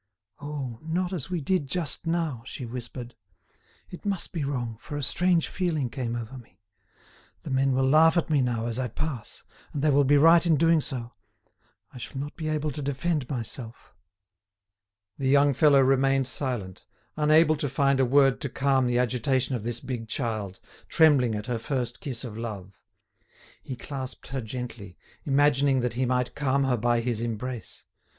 "Oh! not as we did just now," she whispered. "It must be wrong, for a strange feeling came over me. The men will laugh at me now as I pass, and they will be right in doing so. I shall not be able to defend myself." The young fellow remained silent, unable to find a word to calm the agitation of this big child, trembling at her first kiss of love. He clasped her gently, imagining that he might calm her by his embrace.